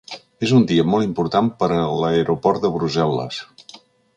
És un dia molt important per a l’aeroport de Brussel·les.